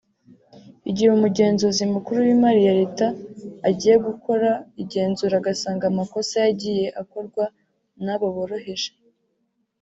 igihe umugenzuzi mukuru w’imari ya Leta agiye gukora igenzura agasanga amakosa yagiye akorwa n’abo boroheje